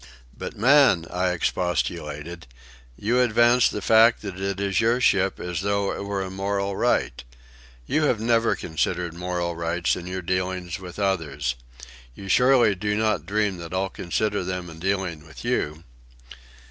"But, man!" I expostulated, "you advance the fact that it is your ship as though it were a moral right. You have never considered moral rights in your dealings with others. You surely do not dream that I'll consider them in dealing with you?"